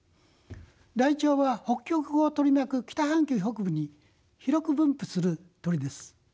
ライチョウは北極を取り巻く北半球北部に広く分布する鳥です。